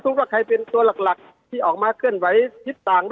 ถ้าพิพาคมผมถึงบอกทั้ง